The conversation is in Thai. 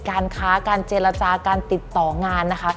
การค้าการเจรจาการติดต่องานนะคะ